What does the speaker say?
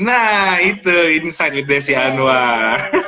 nah itu insight with desi anwar